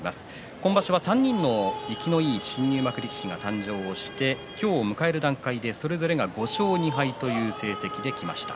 今場所は３人の生きのいい新入幕力士が誕生して今日、迎える段階でそれぞれが５勝２敗という成績できました。